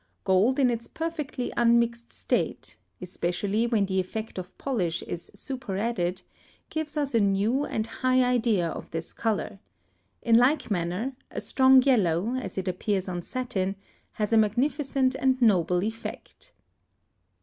Gold in its perfectly unmixed state, especially when the effect of polish is superadded, gives us a new and high idea of this colour; in like manner, a strong yellow, as it appears on satin, has a magnificent and noble effect.